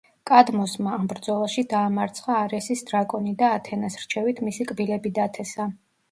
კადმოსმა ამ ბრძოლაში დაამარცხა არესის დრაკონი და ათენას რჩევით მისი კბილები დათესა.